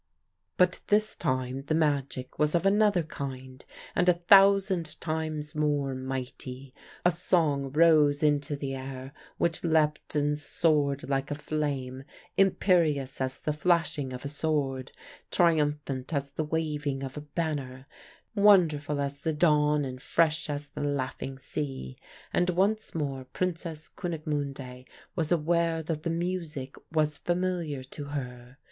"But this time the magic was of another kind and a thousand times more mighty; a song rose into the air which leapt and soared like a flame, imperious as the flashing of a sword, triumphant as the waving of a banner, wonderful as the dawn and fresh as the laughing sea. And once more Princess Kunigmunde was aware that the music was familiar to her.